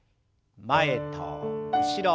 前と後ろ。